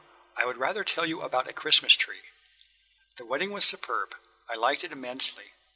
I would rather tell you about a Christmas tree. The wedding was superb. I liked it immensely.